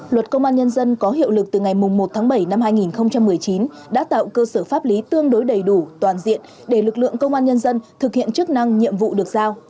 luật công an nhân dân có hiệu lực từ ngày một tháng bảy năm hai nghìn một mươi chín đã tạo cơ sở pháp lý tương đối đầy đủ toàn diện để lực lượng công an nhân dân thực hiện chức năng nhiệm vụ được giao